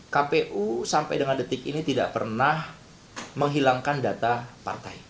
kpu sampai dengan detik ini tidak pernah menghilangkan data partai